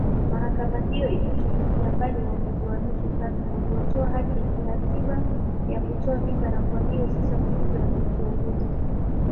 mahakama hiyo imetupilia mbali uamuzi wa nusu karne uliotoa haki ya kikatiba ya kutoa mimba na kwa hivyo sasa majimbo yameachiwa uhuru